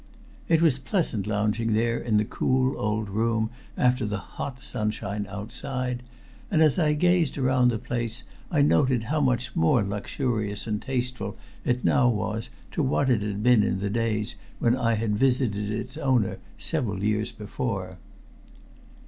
It was pleasant lounging there in the cool old room after the hot sunshine outside, and as I gazed around the place I noted how much more luxurious and tasteful it now was to what it had been in the days when I had visited its owner several years before.